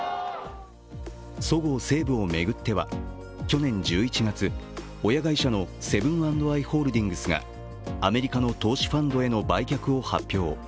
そごう・西武を巡っては去年１１月、親会社のセブン＆アイ・ホールディングスがアメリカの投資ファンドへの売却を発表。